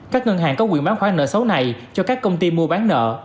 các ngân hàng có quyền bán khoản nợ xấu này cho các công ty mua bán nợ